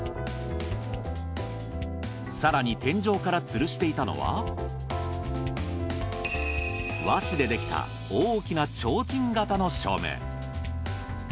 更に天井から吊るしていたのは和紙でできた大きな提灯型の照明。